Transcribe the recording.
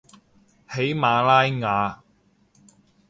喜马拉雅